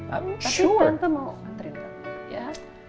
tapi tante mau anterin aku ya